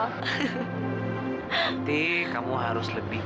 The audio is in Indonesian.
ampiti kamu harus lebih baik